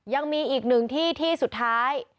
ยังมีอีกหนึ่งที่ที่สุดท้าย